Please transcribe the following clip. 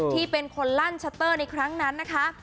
ที่เป็นคนลั่นชัตเตอร์ในครั้งนั้นนะคะ